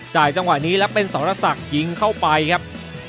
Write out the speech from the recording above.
จังหวะนี้แล้วเป็นสรศักดิ์ยิงเข้าไปครับ